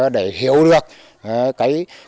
để hiểu được